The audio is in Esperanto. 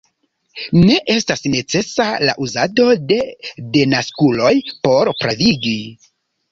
Ne estas necesa la uzado de denaskuloj por pravigi.